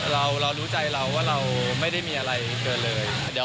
เรารู้ใจเราว่าเราไม่ได้มีอะไรเกินเลย